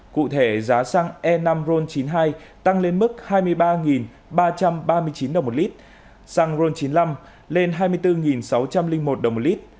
cụ thể giá xăng e năm ron chín mươi hai tăng lên mức hai mươi ba ba trăm ba mươi chín đồng một lít xăng ron chín mươi năm lên hai mươi bốn sáu trăm linh một đồng một lít